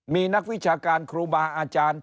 มีนักวิชาการครูบาอาจารย์